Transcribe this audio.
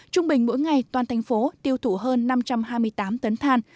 trung bình mỗi ngày toàn thành phố tiêu thủ hơn năm trăm hai mươi tám tấn than